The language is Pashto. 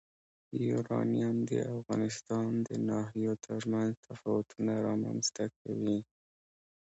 یورانیم د افغانستان د ناحیو ترمنځ تفاوتونه رامنځ ته کوي.